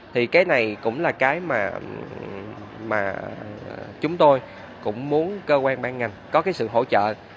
thì cái này cũng là cái mà chúng tôi cũng muốn cơ quan ban ngành có cái sự hỗ trợ